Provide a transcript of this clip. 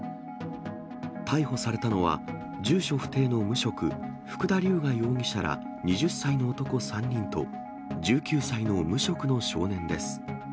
逮捕されたのは、住所不定の無職、福田竜雅容疑者ら２０歳の男３人と、１９歳の無職の少年です。